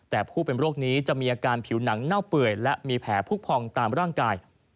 แต่ผู้เป็นโรคนี้จะมีอาการผิวหนังเน่าเปื่อยและมีแผลผู้พองตามร่างกาย